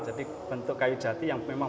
jadi bentuk kayu jati yang memang